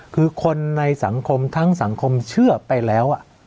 คือคนในสังคมทั้งสังคมเชื่อไปแล้ว